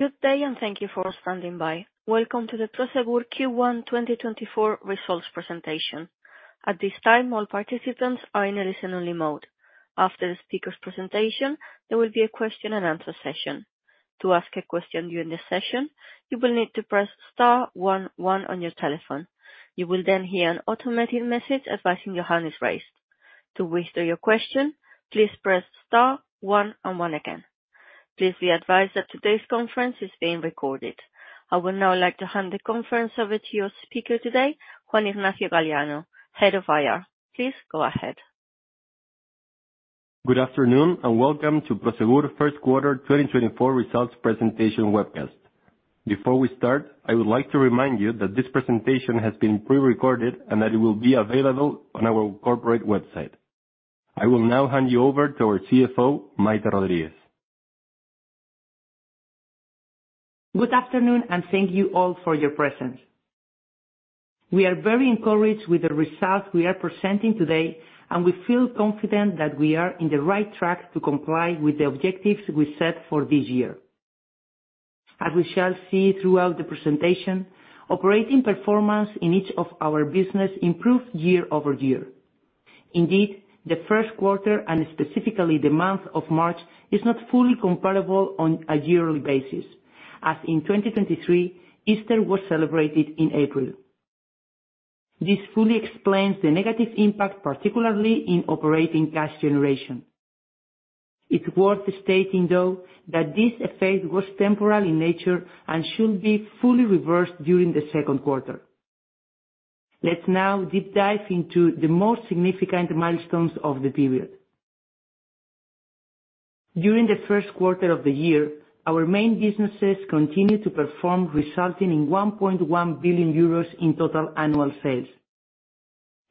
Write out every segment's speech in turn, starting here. Good day, and thank you for standing by. Welcome to the Prosegur Q1 2024 Results Presentation. At this time, all participants are in a listen-only mode. After the speaker's presentation, there will be a question and answer session. To ask a question during the session, you will need to press star one one on your telephone. You will then hear an automated message advising your hand is raised. To withdraw your question, please press star one and one again. Please be advised that today's conference is being recorded. I would now like to hand the conference over to your speaker today, Juan Ignacio Galleano, Head of IR. Please go ahead. Good afternoon, and welcome to Prosegur First Quarter 2024 Results Presentation Webcast. Before we start, I would like to remind you that this presentation has been pre-recorded and that it will be available on our corporate website. I will now hand you over to our CFO, Maite Rodríguez. Good afternoon, and thank you all for your presence. We are very encouraged with the results we are presenting today, and we feel confident that we are in the right track to comply with the objectives we set for this year. As we shall see throughout the presentation, operating performance in each of our business improved year-over-year. Indeed, the first quarter, and specifically the month of March, is not fully comparable on a yearly basis, as in 2023, Easter was celebrated in April. This fully explains the negative impact, particularly in operating cash generation. It's worth stating, though, that this effect was temporal in nature and should be fully reversed during the second quarter. Let's now deep dive into the most significant milestones of the period. During the first quarter of the year, our main businesses continued to perform, resulting in 1.1 billion euros in total annual sales.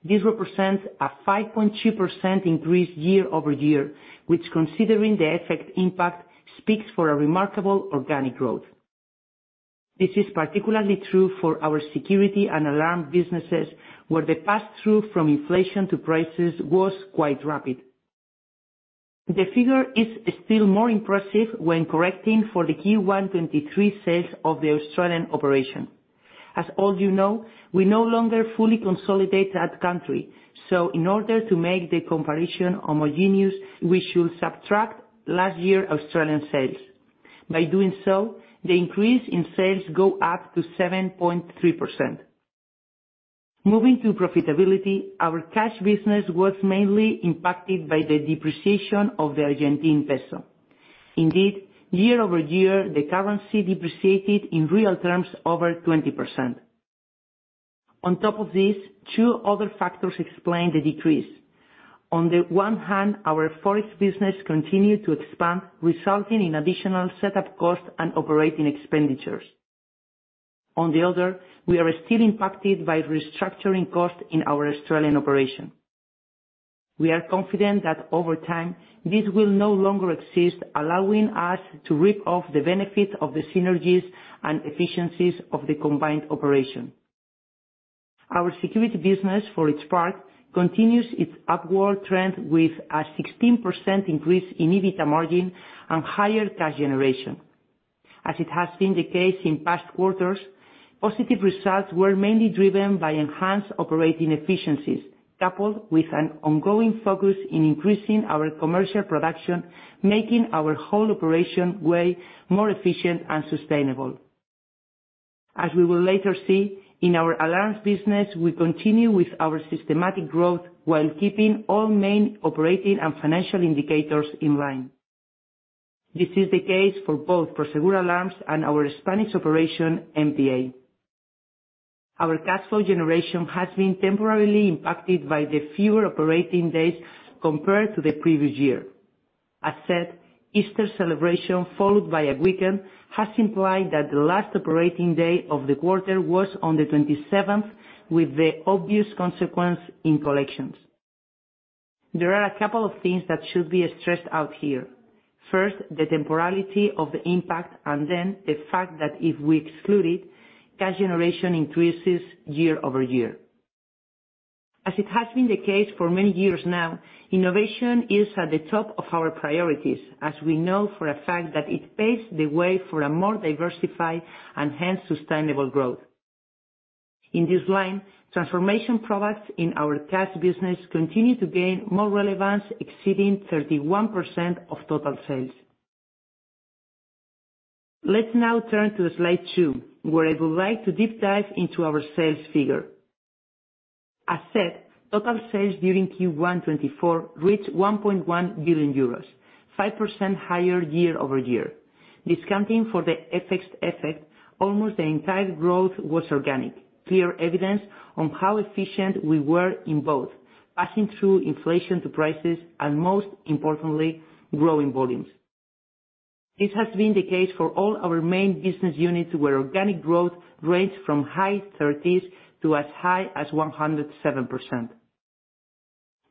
This represents a 5.2% increase year-over-year, which, considering the FX impact, speaks for a remarkable organic growth. This is particularly true for our security and alarm businesses, where the pass-through from inflation to prices was quite rapid. The figure is still more impressive when correcting for the Q1 2023 sales of the Australian operation. As all you know, we no longer fully consolidate that country, so in order to make the comparison homogeneous, we should subtract last year Australian sales. By doing so, the increase in sales go up to 7.3%. Moving to profitability, our cash business was mainly impacted by the depreciation of the Argentine peso. Indeed, year-over-year, the currency depreciated in real terms over 20%. On top of this, two other factors explain the decrease. On the one hand, our Forex business continued to expand, resulting in additional setup costs and operating expenditures. On the other, we are still impacted by restructuring costs in our Australian operation. We are confident that over time, this will no longer exist, allowing us to reap off the benefits of the synergies and efficiencies of the combined operation. Our security business, for its part, continues its upward trend with a 16% increase in EBITDA margin and higher cash generation. As it has been the case in past quarters, positive results were mainly driven by enhanced operating efficiencies, coupled with an ongoing focus in increasing our commercial production, making our whole operation way more efficient and sustainable. As we will later see, in our alarms business, we continue with our systematic growth while keeping all main operating and financial indicators in line. This is the case for both Prosegur Alarms and our Spanish operation, MPA. Our cash flow generation has been temporarily impacted by the fewer operating days compared to the previous year. As said, Easter celebration, followed by a weekend, has implied that the last operating day of the quarter was on the 27th, with the obvious consequence in collections. There are a couple of things that should be stressed out here. First, the temporality of the impact, and then the fact that if we exclude it, cash generation increases year-over-year. As it has been the case for many years now, innovation is at the top of our priorities, as we know for a fact that it paves the way for a more diversified and hence, sustainable growth. In this line, transformation products in our cash business continue to gain more relevance, exceeding 31% of total sales. Let's now turn to Slide Two, where I would like to deep dive into our sales figure. As said, total sales during Q1 2024 reached EUR 1.1 billion, 5% higher year-over-year. Discounting for the FX effect, almost the entire growth was organic. Clear evidence on how efficient we were in both passing through inflation to prices, and most importantly, growing volumes. This has been the case for all our main business units, where organic growth ranged from high 30%s to as high as 107%.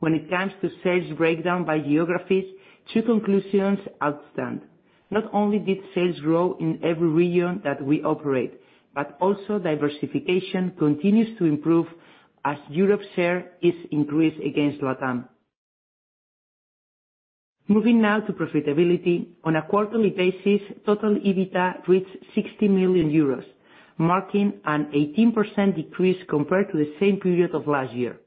When it comes to sales breakdown by geographies, two conclusions stand out. Not only did sales grow in every region that we operate, but also diversification continues to improve as Europe's share is increased against LatAm. Moving now to profitability. On a quarterly basis, total EBITDA reached 60 million euros, marking an 18% decrease compared to the same period of last year.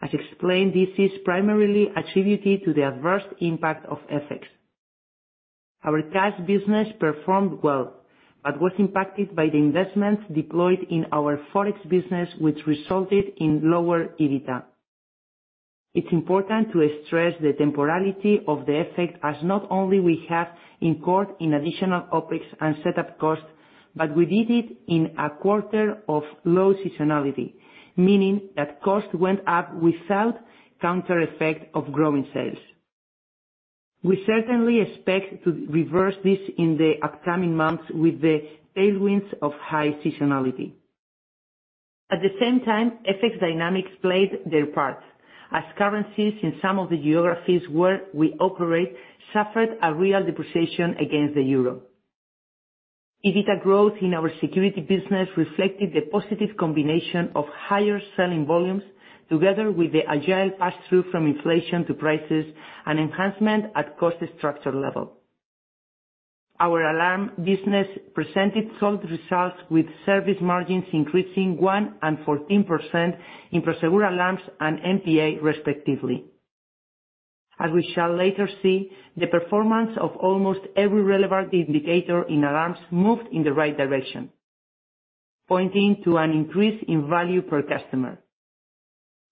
As explained, this is primarily attributed to the adverse impact of FX. Our cash business performed well, but was impacted by the investments deployed in our Forex business, which resulted in lower EBITDA. It's important to stress the temporality of the effect, as not only we have incurred in additional OpEx and setup costs, but we did it in a quarter of low seasonality, meaning that costs went up without counter effect of growing sales. We certainly expect to reverse this in the upcoming months with the tailwinds of high seasonality. At the same time, FX dynamics played their part, as currencies in some of the geographies where we operate suffered a real depreciation against the euro. EBITDA growth in our security business reflected the positive combination of higher selling volumes, together with the agile pass-through from inflation to prices and enhancement at cost structure level. Our alarm business presented solid results, with service margins increasing 1% and 14% in Prosegur Alarms and MPA, respectively. As we shall later see, the performance of almost every relevant indicator in alarms moved in the right direction, pointing to an increase in value per customer.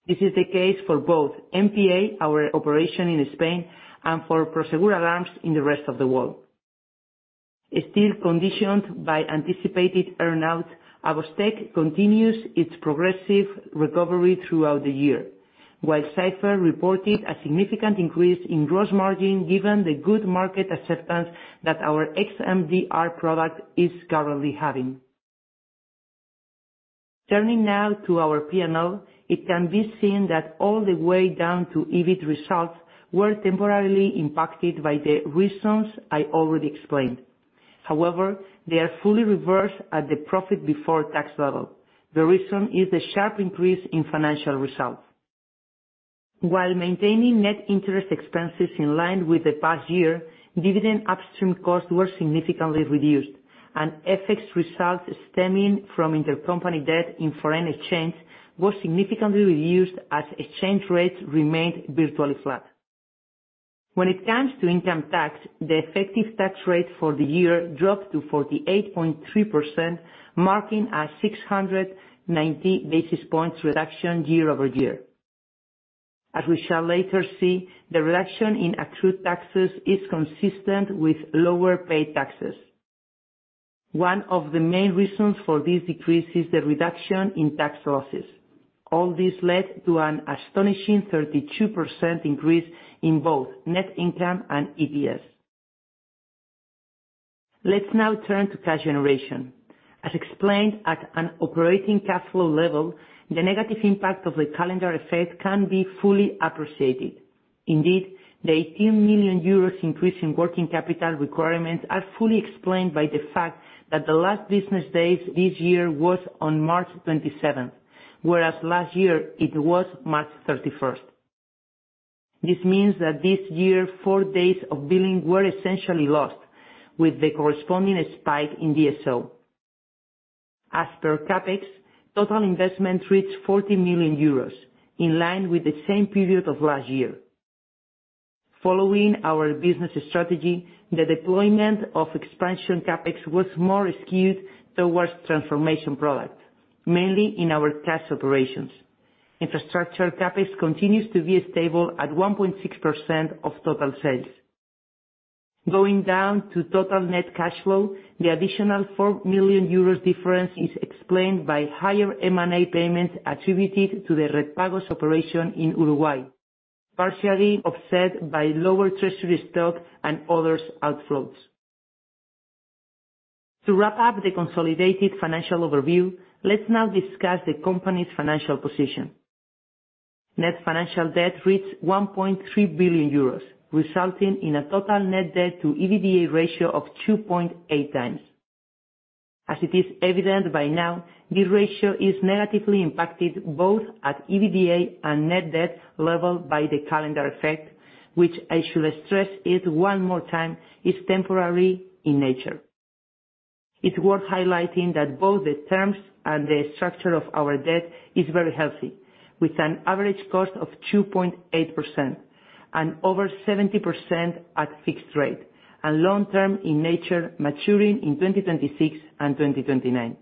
This is the case for both MPA, our operation in Spain, and for Prosegur Alarms in the rest of the world. Still conditioned by anticipated earn-out, AVOS Tech continues its progressive recovery throughout the year, while Cipher reported a significant increase in gross margin, given the good market acceptance that our xMDR product is currently having. Turning now to our P&L, it can be seen that all the way down to EBIT results were temporarily impacted by the reasons I already explained. However, they are fully reversed at the profit before tax level. The reason is the sharp increase in financial results. While maintaining net interest expenses in line with the past year, dividend upstream costs were significantly reduced, and FX results stemming from intercompany debt in foreign exchange were significantly reduced, as exchange rates remained virtually flat. When it comes to income tax, the effective tax rate for the year dropped to 48.3%, marking a 690 basis points reduction year-over-year. As we shall later see, the reduction in accrued taxes is consistent with lower paid taxes. One of the main reasons for this decrease is the reduction in tax losses. All this led to an astonishing 32% increase in both net income and EPS. Let's now turn to cash generation. As explained, at an operating cash flow level, the negative impact of the calendar effect can be fully appreciated. Indeed, the 18 million euros increase in working capital requirements are fully explained by the fact that the last business days this year was on March 27, whereas last year it was March 31st. This means that this year, four days of billing were essentially lost, with the corresponding spike in DSO. As per CapEx, total investment reached 40 million euros, in line with the same period of last year. Following our business strategy, the deployment of expansion CapEx was more skewed towards transformation product, mainly in our cash operations. Infrastructure CapEx continues to be stable at 1.6% of total sales. Going down to total net cash flow, the additional 4 million euros difference is explained by higher M&A payments attributed to the Redpagos operation in Uruguay, partially offset by lower treasury stock and others outflows. To wrap up the consolidated financial overview, let's now discuss the company's financial position. Net financial debt reached 1.3 billion euros, resulting in a total net debt to EBITDA ratio of 2.8x. As it is evident by now, this ratio is negatively impacted both at EBITDA and net debt level by the calendar effect, which I should stress it one more time, is temporary in nature. It's worth highlighting that both the terms and the structure of our debt is very healthy, with an average cost of 2.8% and over 70% at fixed rate, and long term in nature, maturing in 2026 and 2029.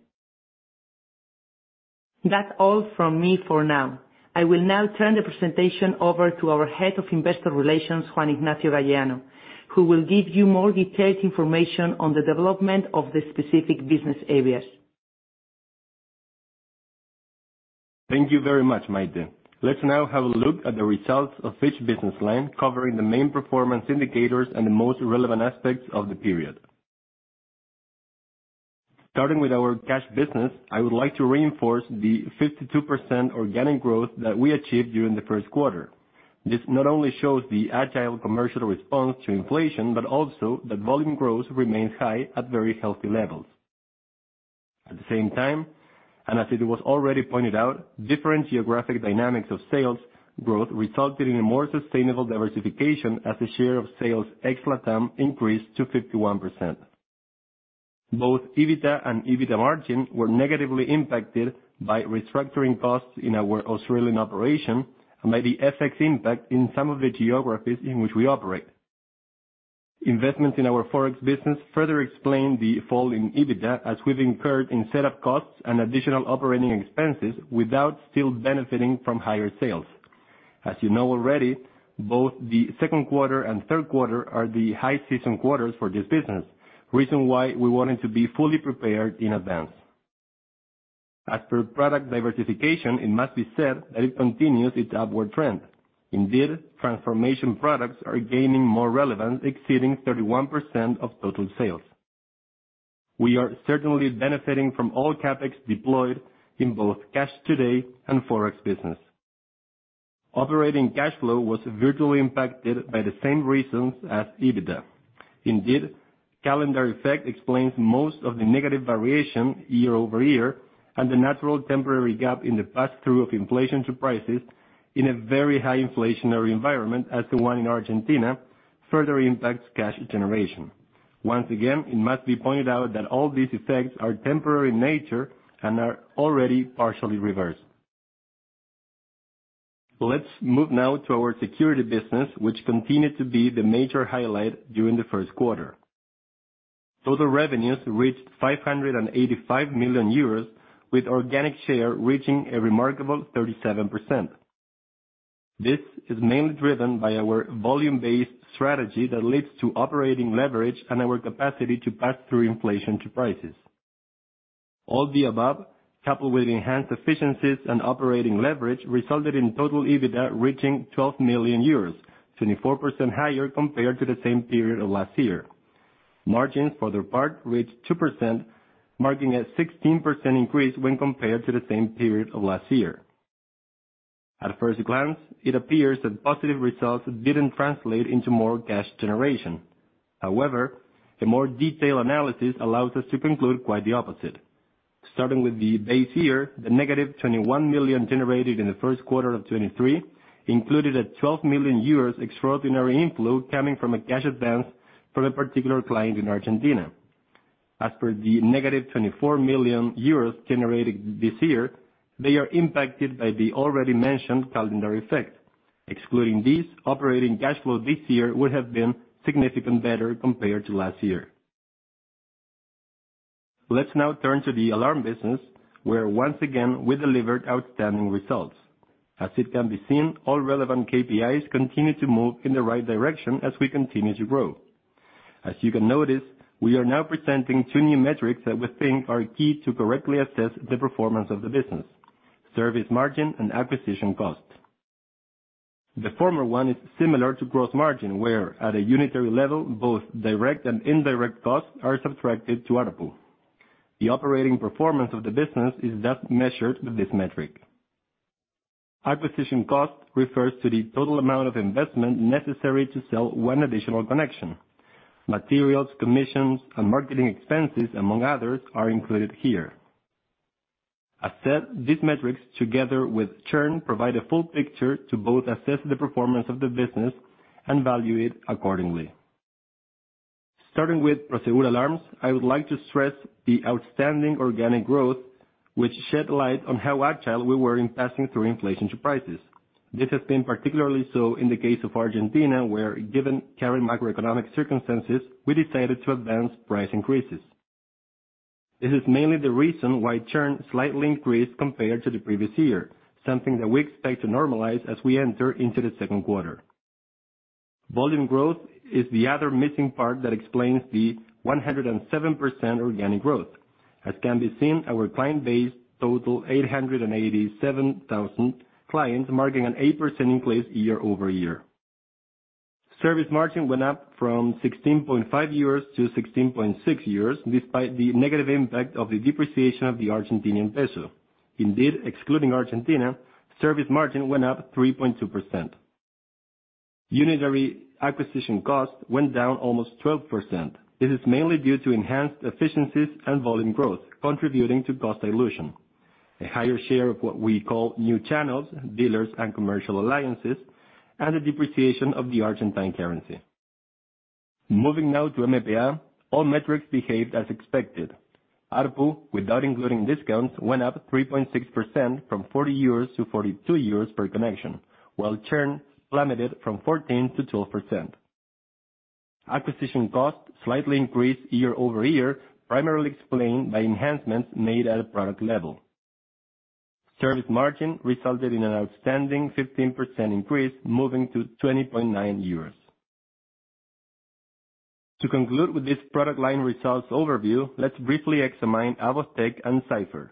That's all from me for now. I will now turn the presentation over to our Head of Investor Relations, Juan Ignacio Galleano, who will give you more detailed information on the development of the specific business areas. Thank you very much, Maite. Let's now have a look at the results of each business line, covering the main performance indicators and the most relevant aspects of the period. Starting with our cash business, I would like to reinforce the 52% organic growth that we achieved during the first quarter. This not only shows the agile commercial response to inflation, but also that volume growth remains high at very healthy levels. At the same time, and as it was already pointed out, different geographic dynamics of sales growth resulted in a more sustainable diversification, as the share of sales ex-LatAm increased to 51%. Both EBITDA and EBITDA margin were negatively impacted by restructuring costs in our Australian operation and by the FX impact in some of the geographies in which we operate. Investments in our Forex business further explain the fall in EBITDA, as we've incurred in setup costs and additional operating expenses without still benefiting from higher sales. As you know already, both the second quarter and third quarter are the high season quarters for this business, reason why we wanted to be fully prepared in advance. As per product diversification, it must be said that it continues its upward trend. Indeed, Transformation Products are gaining more relevance, exceeding 31% of total sales. We are certainly benefiting from all CapEx deployed in both Cash Today and Forex business. Operating Cash Flow was virtually impacted by the same reasons as EBITDA. Indeed, calendar effect explains most of the negative variation year-over-year, and the natural temporary gap in the pass-through of inflation to prices in a very high inflationary environment, as the one in Argentina, further impacts cash generation. Once again, it must be pointed out that all these effects are temporary in nature and are already partially reversed. Let's move now to our security business, which continued to be the major highlight during the first quarter. Total revenues reached 585 million euros, with organic share reaching a remarkable 37%. This is mainly driven by our volume-based strategy that leads to operating leverage and our capacity to pass through inflation to prices. All the above, coupled with enhanced efficiencies and operating leverage, resulted in total EBITDA reaching 12 million euros, 24% higher compared to the same period of last year. Margins, for their part, reached 2%, marking a 16% increase when compared to the same period of last year. At first glance, it appears that positive results didn't translate into more cash generation. However, a more detailed analysis allows us to conclude quite the opposite. Starting with the base year, the -21 million generated in the first quarter of 2023 included a 12 million euros extraordinary inflow coming from a cash advance from a particular client in Argentina. As per the -24 million euros generated this year, they are impacted by the already mentioned calendar effect. Excluding these, operating cash flow this year would have been significantly better compared to last year. Let's now turn to the alarm business, where once again, we delivered outstanding results. As it can be seen, all relevant KPIs continue to move in the right direction as we continue to grow. As you can notice, we are now presenting two new metrics that we think are key to correctly assess the performance of the business: service margin and acquisition cost. The former one is similar to gross margin, where at a unitary level, both direct and indirect costs are subtracted to ARPU. The operating performance of the business is thus measured with this metric. Acquisition cost refers to the total amount of investment necessary to sell one additional connection. Materials, commissions, and marketing expenses, among others, are included here. As said, these metrics, together with churn, provide a full picture to both assess the performance of the business and value it accordingly. Starting with Prosegur Alarms, I would like to stress the outstanding organic growth, which shed light on how agile we were in passing through inflation to prices. This has been particularly so in the case of Argentina, where, given current macroeconomic circumstances, we decided to advance price increases. This is mainly the reason why churn slightly increased compared to the previous year, something that we expect to normalize as we enter into the second quarter. Volume growth is the other missing part that explains the 107% organic growth. As can be seen, our client base totals 887,000 clients, marking an 8% increase year-over-year. Service margin went up from 16.5 euros to 16.6 euros, despite the negative impact of the depreciation of the Argentine peso. Indeed, excluding Argentina, service margin went up 3.2%. Unitary acquisition cost went down almost 12%. This is mainly due to enhanced efficiencies and volume growth, contributing to cost dilution, a higher share of what we call new channels, dealers and commercial alliances, and the depreciation of the Argentine currency. Moving now to MPA, all metrics behaved as expected. ARPU, without including discounts, went up 3.6%, from 40 euros to 42 euros per connection, while churn plummeted from 14%-12%. Acquisition cost slightly increased year-over-year, primarily explained by enhancements made at a product level. Service margin resulted in an outstanding 15% increase, moving to 20.9 euros. To conclude with this product line results overview, let's briefly examine AVOS Tech and Cipher.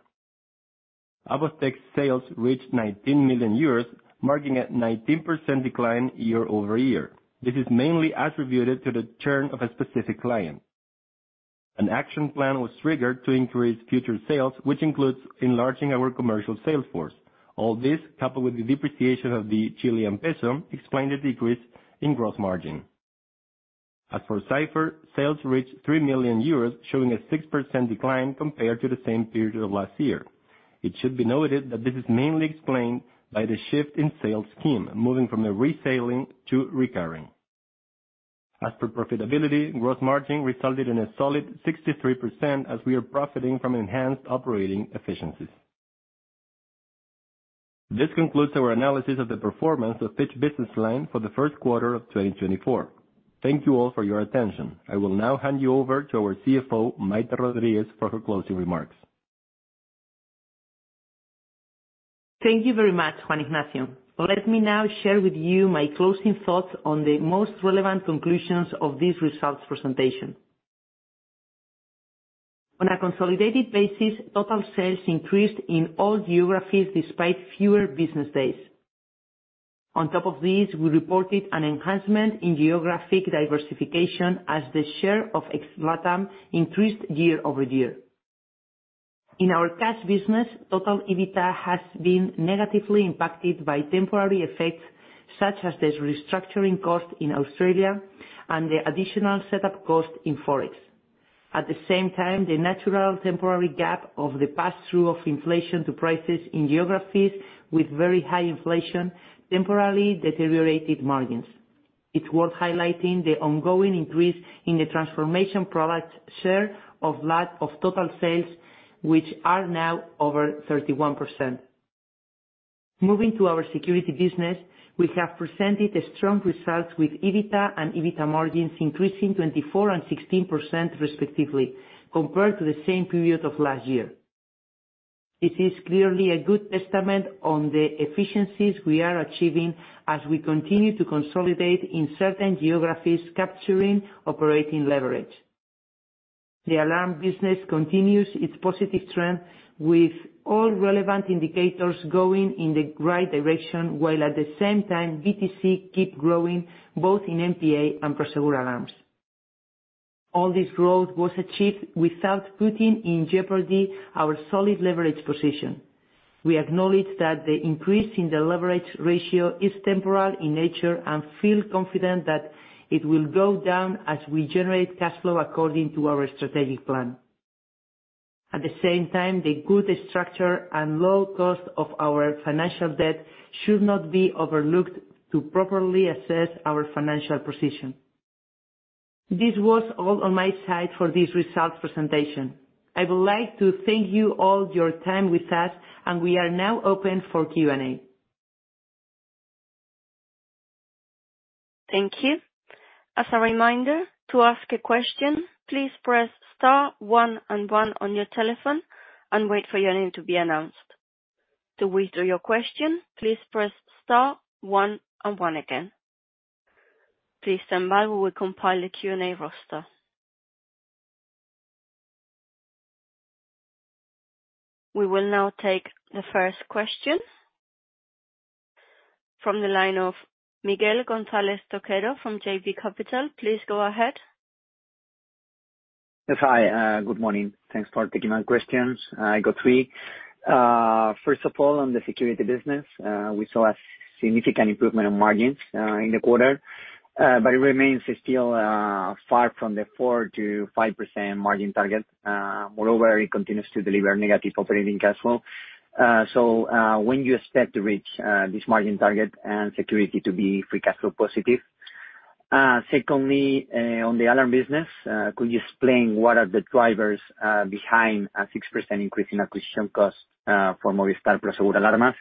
AVOS Tech sales reached 19 million euros, marking a 19% decline year-over-year. This is mainly attributed to the churn of a specific client. An action plan was triggered to increase future sales, which includes enlarging our commercial sales force. All this, coupled with the depreciation of the Chilean peso, explained the decrease in gross margin. As for Cipher, sales reached 3 million euros, showing a 6% decline compared to the same period of last year. It should be noted that this is mainly explained by the shift in sales scheme, moving from a reselling to recurring. As for profitability, gross margin resulted in a solid 63%, as we are profiting from enhanced operating efficiencies. This concludes our analysis of the performance of security business line for the first quarter of 2024. Thank you all for your attention. I will now hand you over to our CFO, Maite Rodríguez, for her closing remarks. Thank you very much, Juan Ignacio. Let me now share with you my closing thoughts on the most relevant conclusions of this results presentation. On a consolidated basis, total sales increased in all geographies, despite fewer business days. On top of this, we reported an enhancement in geographic diversification as the share of ex-LatAm increased year-over-year. In our cash business, total EBITDA has been negatively impacted by temporary effects, such as the restructuring cost in Australia and the additional setup cost in Forex. At the same time, the natural temporary gap of the pass-through of inflation to prices in geographies with very high inflation temporarily deteriorated margins. It's worth highlighting the ongoing increase in the transformation product share of LatAm of total sales, which are now over 31%. Moving to our security business, we have presented a strong results with EBITDA and EBITDA margins increasing 24% and 16% respectively, compared to the same period of last year. This is clearly a good testament on the efficiencies we are achieving as we continue to consolidate in certain geographies, capturing operating leverage. The alarm business continues its positive trend, with all relevant indicators going in the right direction, while at the same time, B2C keep growing, both in MPA and Prosegur Alarms. All this growth was achieved without putting in jeopardy our solid leverage position. We acknowledge that the increase in the leverage ratio is temporal in nature, and feel confident that it will go down as we generate cash flow according to our strategic plan. At the same time, the good structure and low cost of our financial debt should not be overlooked to properly assess our financial position. This was all on my side for this results presentation. I would like to thank you all your time with us, and we are now open for Q&A. Thank you. As a reminder, to ask a question, please press star one and one on your telephone and wait for your name to be announced. To withdraw your question, please press star one and one again. Please stand by, we will compile a Q&A roster. We will now take the first question from the line of Miguel González Toquero from JB Capital. Please, go ahead. Hi, good morning. Thanks for taking my questions. I got three. First of all, on the security business, we saw a significant improvement on margins in the quarter, but it remains still far from the 4%-5% margin target. Moreover, it continues to deliver negative operating cash flow. So, when you expect to reach this margin target and security to be free cash flow positive? Secondly, on the alarm business, could you explain what are the drivers behind a 6% increase in acquisition costs from Movistar Prosegur Alarmas?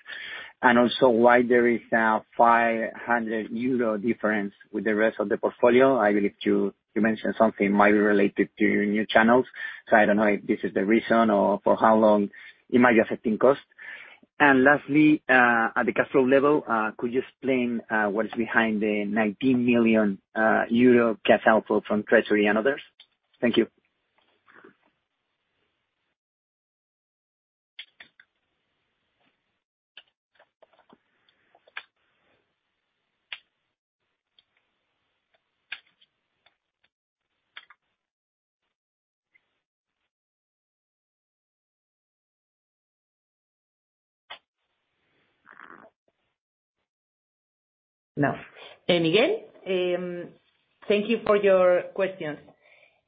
And also, why there is now 500 euro difference with the rest of the portfolio? I believe you, you mentioned something might be related to new channels, so I don't know if this is the reason or for how long it might be affecting cost. Lastly, at the cash flow level, could you explain what is behind the 19 million euro cash outflow from Treasury and others? Thank you. Now, Miguel, thank you for your questions.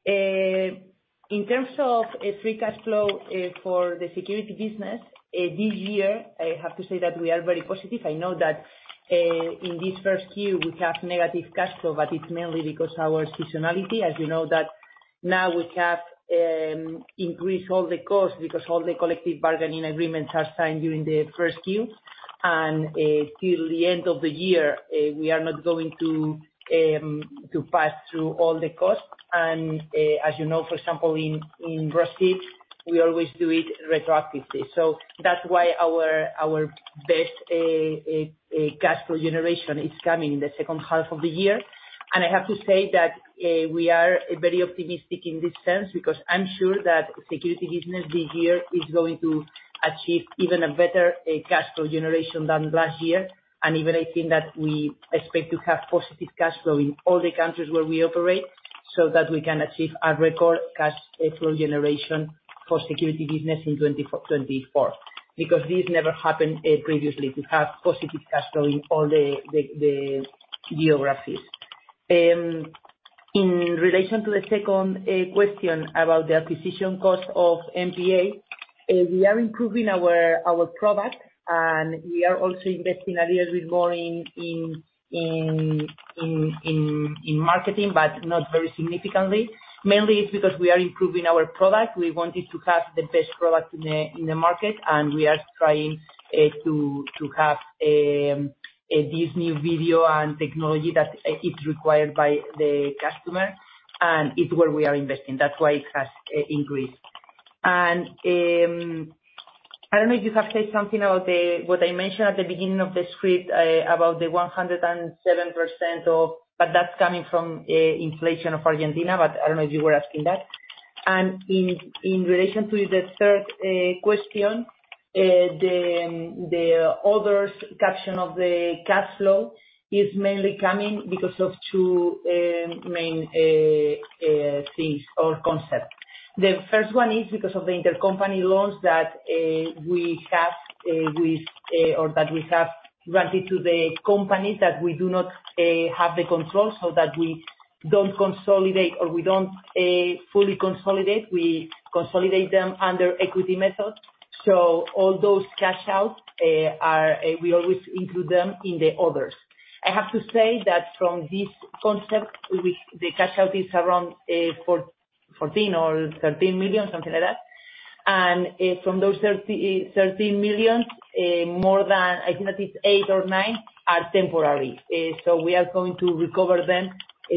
In terms of free cash flow for the security business this year, I have to say that we are very positive. I know that in this first quarter, we have negative cash flow, but it's mainly because our seasonality. As you know, that now we have increased all the costs, because all the collective bargaining agreements are signed during the first quarter. And till the end of the year, we are not going to pass through all the costs. And as you know, for example, in Prosegur, we always do it retroactively. So that's why our best cash flow generation is coming in the second half of the year. I have to say that we are very optimistic in this sense, because I'm sure that security business this year is going to achieve even a better cash flow generation than last year. Even I think that we expect to have positive cash flow in all the countries where we operate, so that we can achieve a record cash flow generation for security business in 2024, because this never happened previously to have positive cash flow in all the geographies. In relation to the second question about the acquisition cost of MPA, we are improving our product, and we are also investing a little bit more in marketing, but not very significantly. Mainly it's because we are improving our product. We wanted to have the best product in the market, and we are trying to have this new video and technology that is required by the customer, and it's where we are investing. That's why it has increased. I don't know if you have said something about the, what I mentioned at the beginning of the script, about the 107% of, but that's coming from inflation of Argentina, but I don't know if you were asking that. In relation to the third question, the others caption of the cash flow is mainly coming because of two main things or concept. The first one is because of the intercompany loans that we have with or that we have granted to the companies that we do not have the control, so that we don't consolidate or we don't fully consolidate. We consolidate them under equity method. So all those cash outs, we always include them in the others. I have to say that from this concept, the cash out is around 14 million or 13 million, something like that. And from those 30 million, 13 million, more than, I think, it's 8% or 9%, are temporary. So we are going to recover them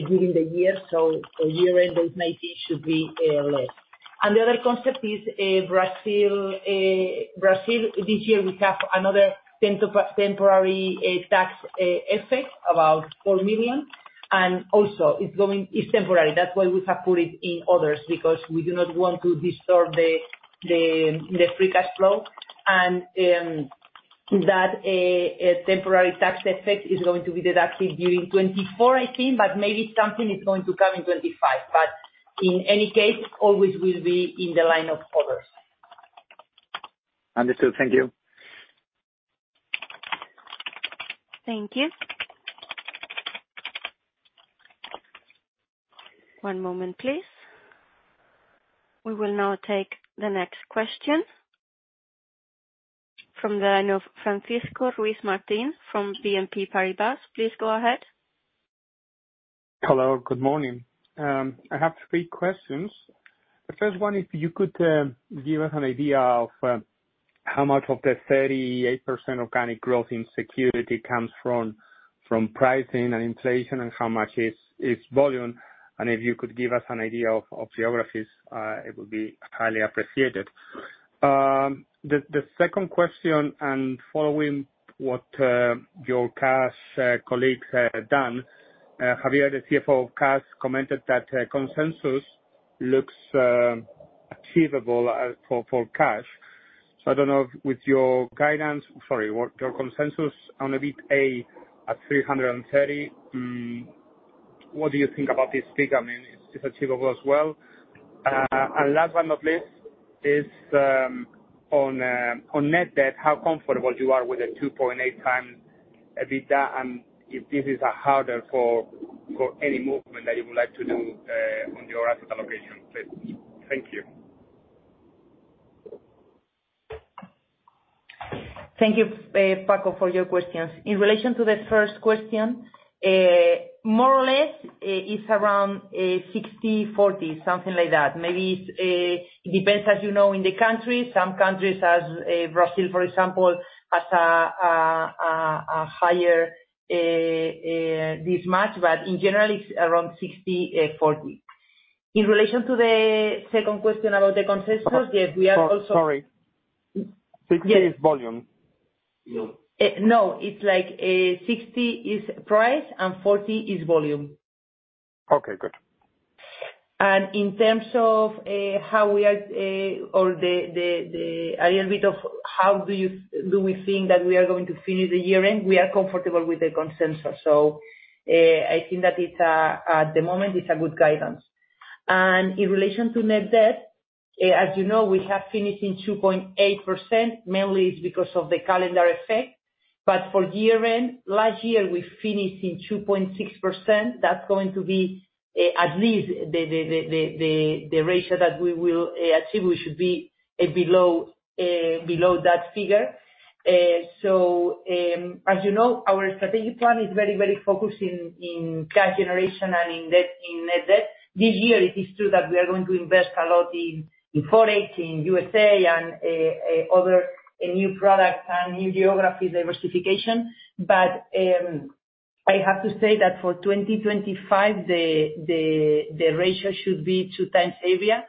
during the year. So for year end, those 19 million should be less. And the other concept is Brazil. Brazil, this year, we have another temporary tax effect, about 4 million, and also it's going, it's temporary. That's why we have put it in others, because we do not want to disturb the free cash flow. And that temporary tax effect is going to be deducted during 2024, I think, but maybe something is going to come in 2025, but in any case, always will be in the line of others. Understood. Thank you. Thank you. One moment, please. We will now take the next question from the line of Francisco Ruiz Martin, from BNP Paribas. Please go ahead. Hello, good morning. I have three questions. The first one, if you could give us an idea of how much of the 38% organic growth in security comes from pricing and inflation, and how much is volume? And if you could give us an idea of geographies, it would be highly appreciated. The second question, and following what your Cash colleagues have done, Javier, the CFO of Cash, commented that consensus looks achievable for Cash. So I don't know, with your guidance, sorry, what your consensus on EBITDA at 330. What do you think about this figure? I mean, it's achievable as well. Last but not least is on net debt, how comfortable you are with the 2.8x EBITDA, and if this is a harder for any movement that you would like to do on your asset allocation? Please. Thank you. Thank you, Paco, for your questions. In relation to the first question, more or less, it's around 60/40, something like that. Maybe it's, it depends, as you know, in the country. Some countries, as Brazil, for example, has a higher this much, but in general it's around 60/40. In relation to the second question about the consensus, yes, we are also- Sorry, sorry. Yes. 60 is volume? No, it's like, 60 is price and 40 is volume. Okay, good. In terms of how we are or the a little bit of how do we think that we are going to finish the year-end, we are comfortable with the consensus. So, I think that it's at the moment, it's a good guidance. And in relation to net debt, as you know, we have finished in 2.8x. Mainly it's because of the calendar effect, but for year-end, last year, we finished in 2.6x. That's going to be at least the ratio that we will achieve should be below that figure. So, as you know, our strategic plan is very, very focused in cash generation and in net debt. This year, it is true that we are going to invest a lot in Forex, in USA, and other new products and new geography diversification. But I have to say that for 2025, the ratio should be 2x EBITDA,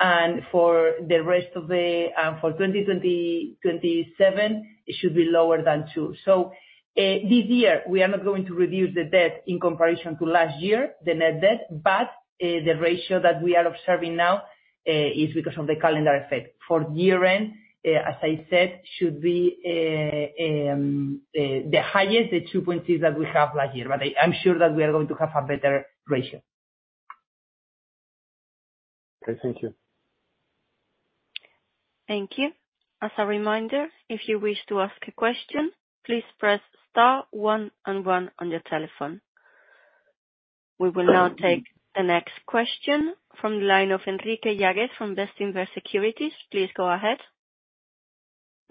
and for the rest of the, for 2027, it should be lower than two. So this year we are not going to reduce the debt in comparison to last year, the net debt, but the ratio that we are observing now is because of the calendar effect. For year-end, as I said, should be the highest, the 2.6 that we have last year, but I'm sure that we are going to have a better ratio. Okay, thank you. Thank you. As a reminder, if you wish to ask a question, please press star one and one on your telephone. We will now take the next question from the line of Enrique Yagüez from Bestinver Securities. Please go ahead.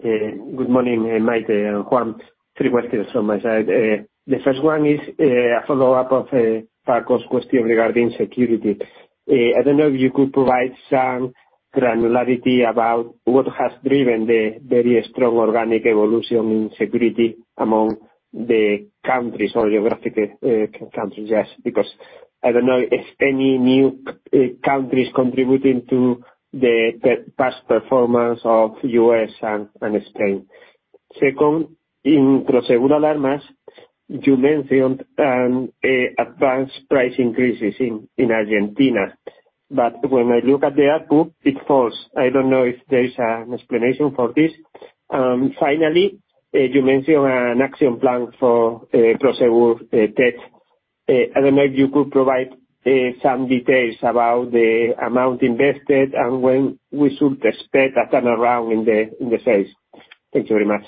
Good morning, Maite and Juan. Three questions on my side. The first one is a follow-up of Paco's question regarding security. I don't know if you could provide some granularity about what has driven the very strong organic evolution in security among the countries or geographic countries. Yes, because I don't know if any new countries contributing to the past performance of U.S. and Spain. Second, in Prosegur Alarms, you mentioned an advanced price increases in Argentina, but when I look at the output, it falls. I don't know if there is an explanation for this. Finally, you mentioned an action plan for Prosegur Tech. I don't know if you could provide some details about the amount invested and when we should expect a turnaround in the sales. Thank you very much.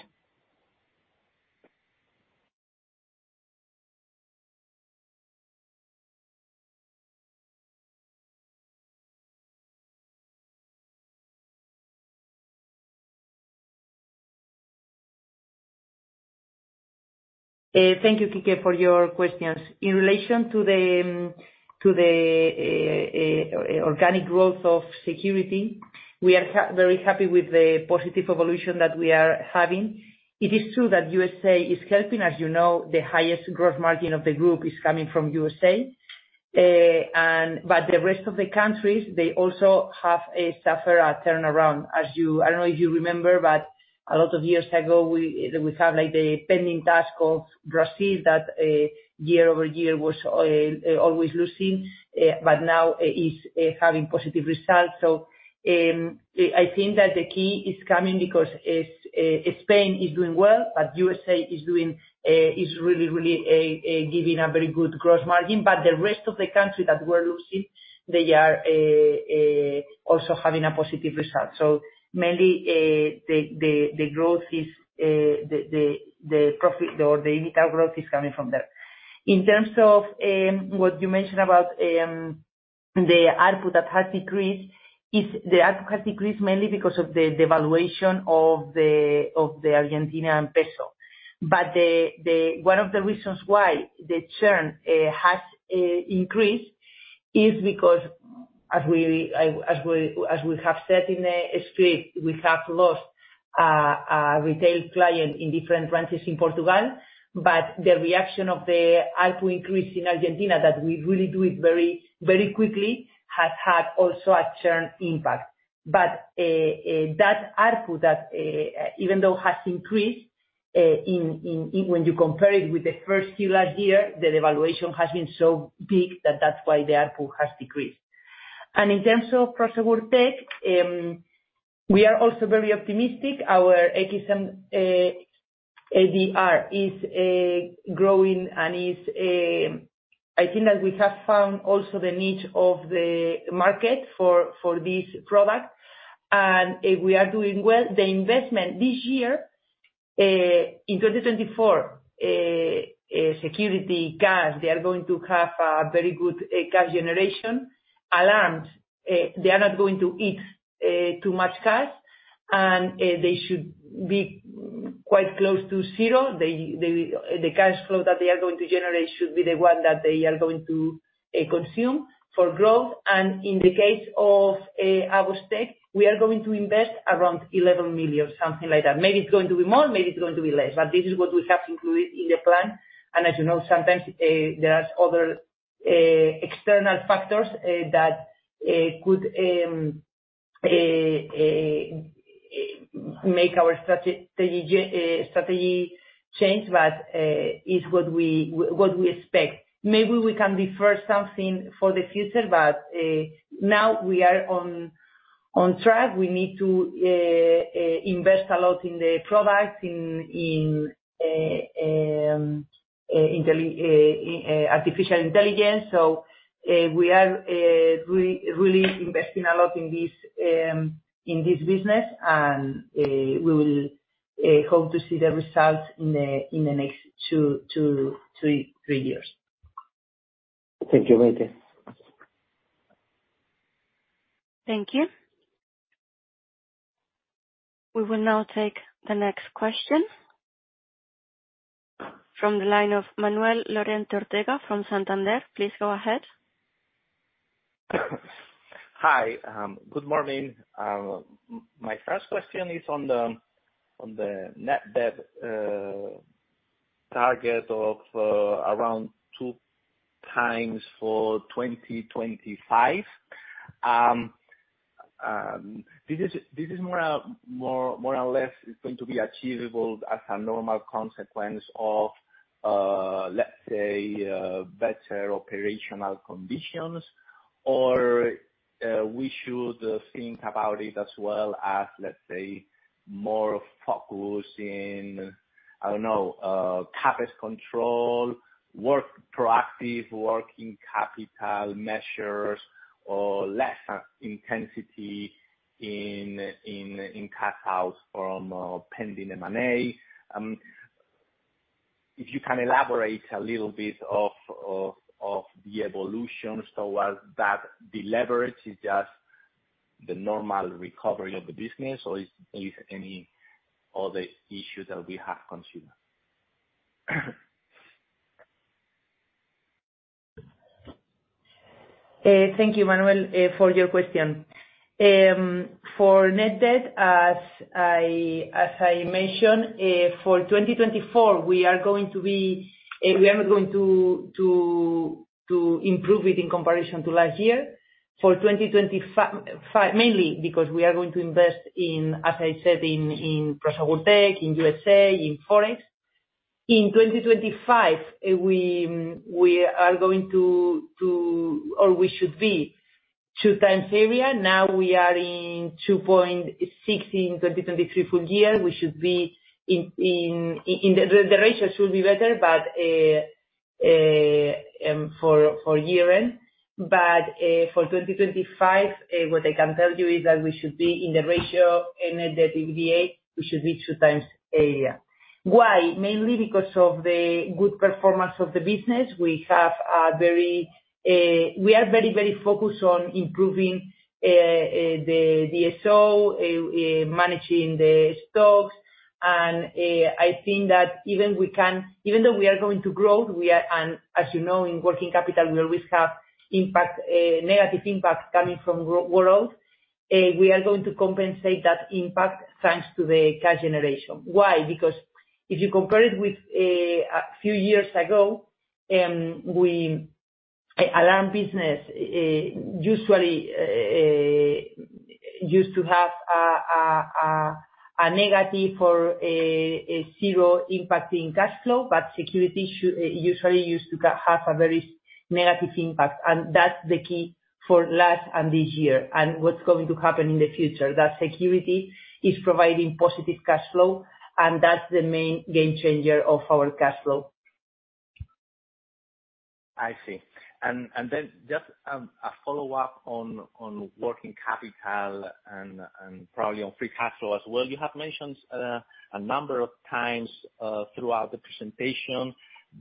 Thank you, Enrique, for your questions. In relation to the organic growth of security, we are very happy with the positive evolution that we are having. It is true that USA is helping. As you know, the highest growth margin of the group is coming from USA. But the rest of the countries, they also have suffered a turnaround, as you, I don't know if you remember, but a lot of years ago, we have, like, the pending task of Brazil, that year-over-year was always losing, but now is having positive results. So, I think that the key is coming because Spain is doing well, but USA is really, really giving a very good gross margin. But the rest of the country that were losing, they are also having a positive result. So mainly, the growth is the profit or the EBITDA growth is coming from there. In terms of what you mentioned about the ARPU that has decreased, is the ARPU has decreased mainly because of the devaluation of the Argentinian peso. But one of the reasons why the churn has increased, is because as we have said in the street, we have lost retail client in different branches in Portugal. But the reaction of the ARPU increase in Argentina, that we really do it very, very quickly, has had also a churn impact. But that ARPU that even though has increased, in when you compare it with the first few last year, the devaluation has been so big that that's why the ARPU has decreased. And in terms of Prosegur Tech, we are also very optimistic. Our xMDR is growing and I think that we have found also the niche of the market for this product, and we are doing well. The investment this year in 2024, security, cash, they are going to have a very good cash generation. Alarms, they are not going to eat too much cash, and they should be quite close to zero. They, the cash flow that they are going to generate should be the one that they are going to consume for growth. And in the case of AVOS Tech, we are going to invest around 11 million, something like that. Maybe it's going to be more, maybe it's going to be less, but this is what we have included in the plan. And as you know, sometimes there are other external factors that could make our strategy change, but it's what we, what we expect. Maybe we can defer something for the future, but now we are on, on track. We need to invest a lot in the products, in, in artificial intelligence. So we are really, really investing a lot in this, in this business. And we will hope to see the results in the, in the next two, three years. Thank you, Maite. Thank you. We will now take the next question from the line of Manuel Lorente Ortega from Santander. Please go ahead. Hi, good morning. My first question is on the net debt target of around 2x for 2025. This is more or less going to be achievable as a normal consequence of, let's say, better operational conditions? Or we should think about it as well as, let's say, more focus in, I don't know, CapEx control, proactive working capital measures or less intensity in cash outs from pending M&A. If you can elaborate a little bit on the evolution towards that, the leverage is just the normal recovery of the business, or are there any other issues that we have considered? Thank you, Manuel, for your question. For net debt, as I, as I mentioned, for 2024, we are going to be, we are going to improve it in comparison to last year. For 2025 mainly because we are going to invest in, as I said, in, in Prosegur Tech, in USA, in Forex. In 2025, we, we are going to, or we should be 2x. Now we are in 2.6 in 2023 full year, we should be in the ratio should be better, but for year-end. But, for 2025, what I can tell you is that we should be in the ratio net debt to EBITDA, we should be 2x. Why? Mainly because of the good performance of the business. We have a very, we are very, very focused on improving the DSO, managing the stocks, and I think that even though we are going to grow, and as you know, in working capital, we always have a negative impact coming from growth. We are going to compensate that impact thanks to the cash generation. Why? Because if you compare it with a few years ago, alarm business usually used to have a negative or a zero impact in cash flow, but security usually used to have a very negative impact, and that's the key for last and this year, and what's going to happen in the future. That security is providing positive cash flow, and that's the main game changer of our cash flow. I see. And then just a follow-up on working capital and probably on free cash flow as well. You have mentioned a number of times throughout the presentation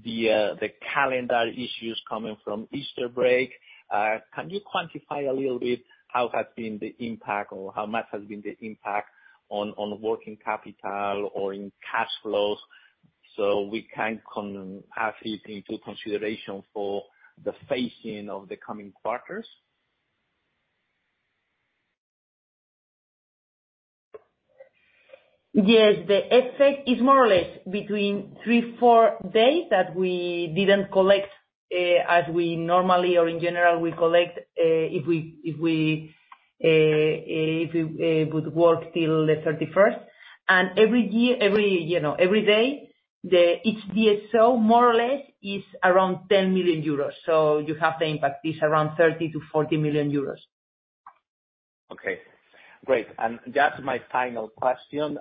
the calendar issues coming from Easter break. Can you quantify a little bit how has been the impact or how much has been the impact on working capital or in cash flows, so we can have it into consideration for the phasing of the coming quarters? Yes, the effect is more or less between 3-4 days that we didn't collect, as we normally or in general, we collect, if we would work till the 31st. And every year, every, you know, every day, the, each DSO, more or less, is around 10 million euros. So you have the impact is around 30 million-40 million euros. Okay, great. Just my final question: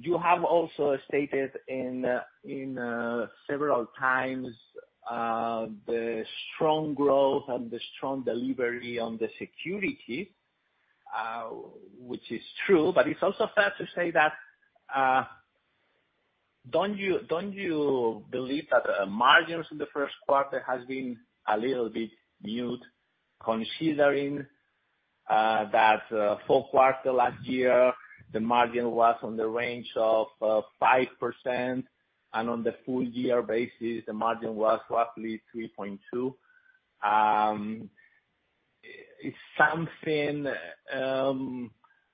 you have also stated in several times the strong growth and the strong delivery on the security, which is true, but it's also fair to say that, don't you believe that the margins in the first quarter has been a little bit muted, considering that fourth quarter last year, the margin was on the range of 5%, and on the full year basis, the margin was roughly 3.2%?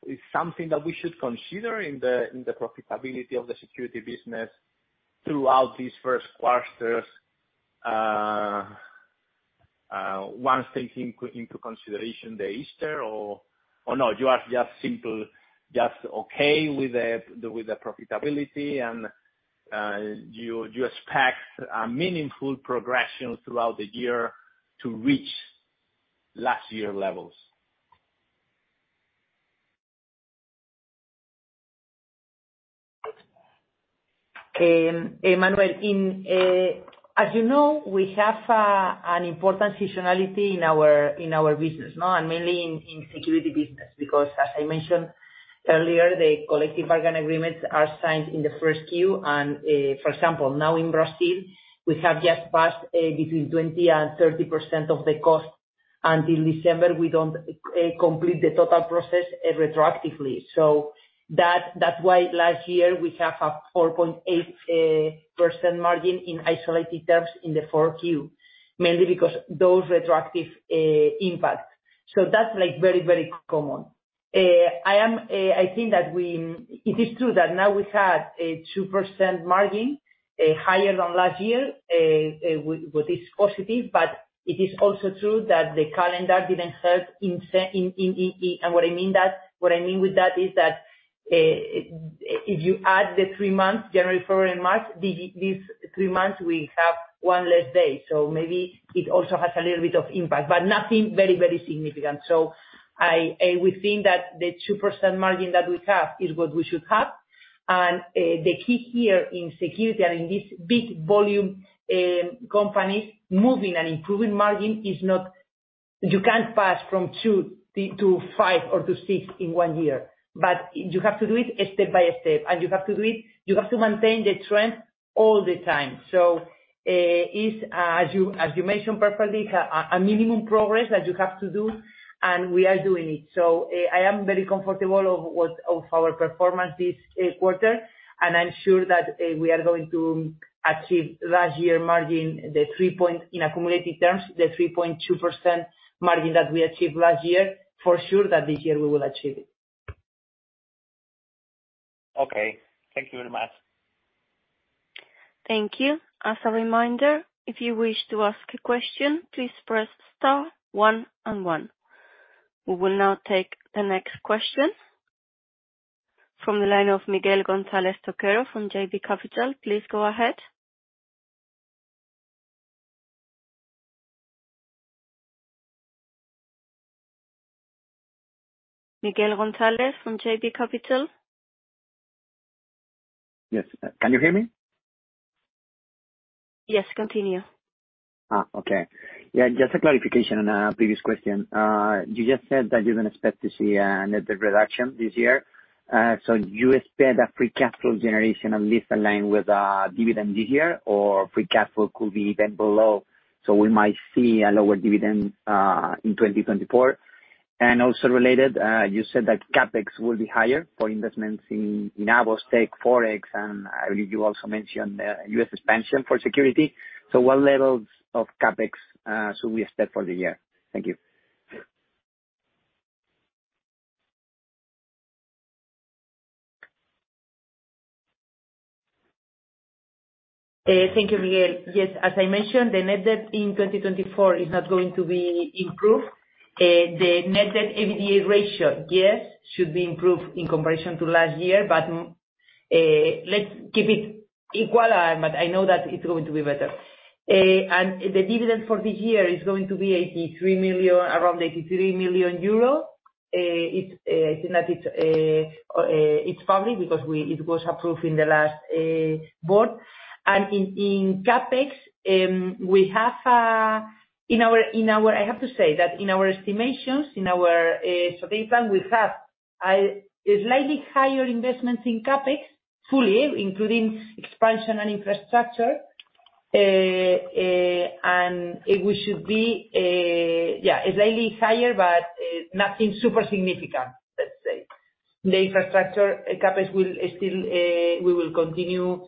Is something that we should consider in the profitability of the security business throughout these first quarters, once taking into consideration the Easter, no, you are just simply, just okay with the profitability, and you expect a meaningful progression throughout the year to reach last year levels? Manuel, as you know, we have an important seasonality in our business, no? And mainly in security business, because as I mentioned earlier, the collective bargaining agreements are signed in the first Q. And for example, now in Brazil, we have just passed between 20%-30% of the cost; until December, we don't complete the total process retroactively. So that's why last year we have a 4.8% margin in isolated terms in the 4Q, mainly because those retroactive impact. So that's, like, very, very common. I think that we... It is true that now we have a 2% margin higher than last year with this positive. But it is also true that the calendar didn't help in security... What I mean with that is that if you add the three months, January, February, and March, these three months, we have one less day, so maybe it also has a little bit of impact, but nothing very, very significant. So, we think that the 2% margin that we have is what we should have. And the key here in security and in this big volume company moving and improving margin, you can't pass from 2% to 5% or to 6% in one year, but you have to do it step by step, and you have to do it, you have to maintain the trend all the time. So, it's as you mentioned perfectly, a minimum progress that you have to do, and we are doing it. So, I am very comfortable of our performance this quarter, and I'm sure that we are going to achieve last year margin, the 3 point, in accumulated terms, the 3.2% margin that we achieved last year, for sure that this year we will achieve it. Okay. Thank you very much. Thank you. As a reminder, if you wish to ask a question, please press star one and one. We will now take the next question from the line of Miguel González Toquero from JB Capital. Please, go ahead. Miguel González from JB Capital? Yes. Can you hear me? Yes. Continue. Ah, okay. Yeah, just a clarification on a previous question. You just said that you don't expect to see net debt reduction this year. So you expect that free cash flow generation at least align with dividend this year, or free cash flow could be even below, so we might see a lower dividend in 2024? And also related, you said that CapEx will be higher for investments in AVOS Tech, Forex, and I believe you also mentioned U.S. expansion for security. So what levels of CapEx should we expect for the year? Thank you. Thank you, Miguel. Yes, as I mentioned, the net debt in 2024 is not going to be improved. The net debt EBITDA ratio, yes, should be improved in comparison to last year, but let's keep it equal, but I know that it's going to be better. And the dividend for this year is going to be 83 million, around 83 million euro. It's public because it was approved in the last board. And in CapEx, we have in our, I have to say that in our estimations, so we plan, we have a slightly higher investments in CapEx, fully including expansion and infrastructure. And it should be slightly higher, but nothing super significant, let's say. The infrastructure CapEx will still, we will continue,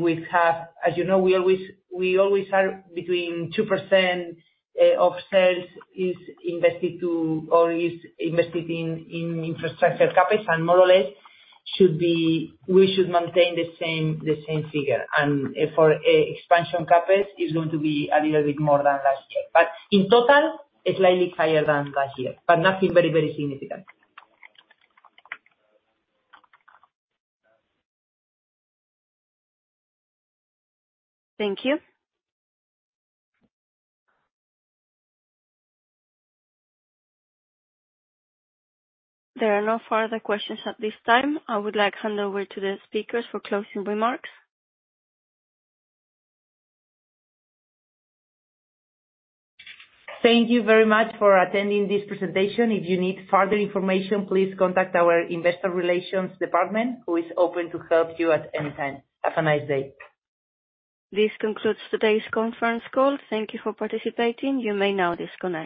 we have, as you know, we always, we always are between 2% of sales is invested to, or is invested in, in infrastructure CapEx, and more or less should be, we should maintain the same, the same figure. And, for, expansion CapEx, it's going to be a little bit more than last year. But in total, slightly higher than last year, but nothing very, very significant. Thank you. There are no further questions at this time. I would like to hand over to the speakers for closing remarks. Thank you very much for attending this presentation. If you need further information, please contact our investor relations department, who is open to help you at any time. Have a nice day. This concludes today's conference call. Thank you for participating. You may now disconnect.